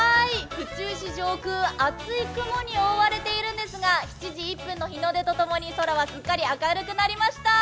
府中市上空、厚い雲に覆われているんですが、７時１分の日の出と共に空はすっかり明るくなりました。